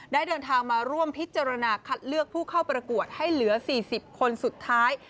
เดินทางมาร่วมพิจารณาคัดเลือกผู้เข้าประกวดให้เหลือ๔๐คนสุดท้าย